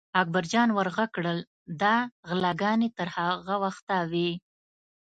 اکبر جان ور غږ کړل: دا غلاګانې تر هغه وخته وي.